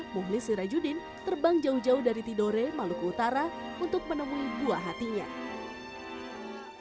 muhlis sirajudin terbang jauh jauh dari tidore maluku utara untuk menemui buah hatinya